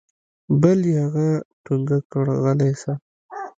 بل يې هغه ټونګه کړ غلى سه.